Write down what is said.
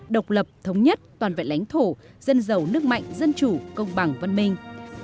độc lập thống nhất toàn vẹn lãnh thổ dân giàu nước mạnh dân chủ công bằng văn minh